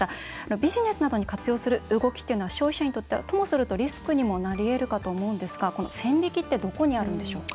ビジネスなどに活用する動きというのは消費者にとってはともするとリスクにもなりえるかと思うんですが、この線引きってどこにあるんでしょうか？